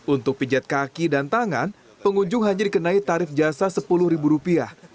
untuk pijat kaki dan tangan pengunjung hanya dikenai tarif jasa sepuluh ribu rupiah